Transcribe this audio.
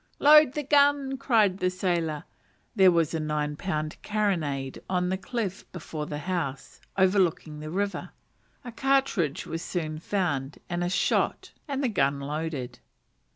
"Load the gun!" cried the sailor (there was a nine pound carronade on the cliff before the house, overlooking the river). A cartridge was soon found, and a shot, and the gun loaded.